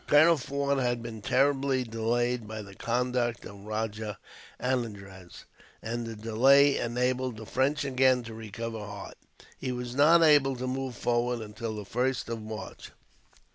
Colonel Forde had been terribly delayed by the conduct of Rajah Anandraz, and the delay enabled the French again to recover heart. He was not able to move forward until the 1st of March.